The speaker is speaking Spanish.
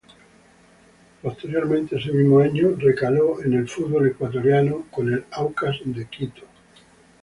Posteriormente, ese mismo año, recaló en el fútbol ecuatoriano con el Aucas de Quito.